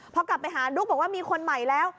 พอกลับไปหาดุ๊กบอกว่ามีคนใหม่แล้ว